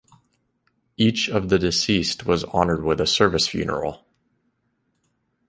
Each of the deceased was honoured with a Service funeral.